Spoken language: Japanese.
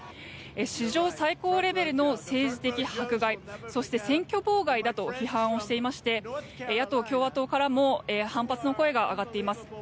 史上最高レベルの政治的迫害そして選挙妨害だと批判をしていまして野党・共和党からも反発の声が上がっています。